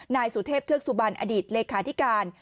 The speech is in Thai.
นายสุเทพเทศุบรรณอดีตเลยคาทิการ